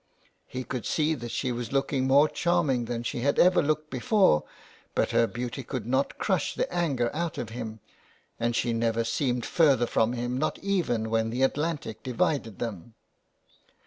He could see that she was looking more charming than she had ever looked before, but her beauty could 340 THE WILD GOOSE. not crush the anger out of him ; and she never seemed further from him, not even when the Atlantic divided them.